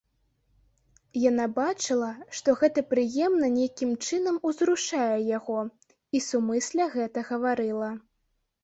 Яна бачыла, што гэта прыемна нейкім чынам узрушае яго, і сумысля гэта гаварыла.